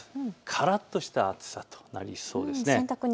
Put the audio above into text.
からっとした暑さとなりそうです。